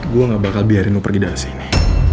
gue gak bakal biarin lu pergi dari sini